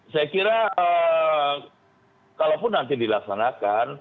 saya kira kalaupun nanti dilaksanakan